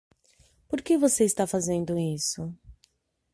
Por que você está fazendo isso?